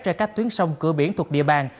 trên các tuyến sông cửa biển thuộc địa bàn